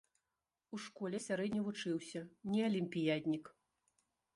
У школе сярэдне вучыўся, не алімпіяднік.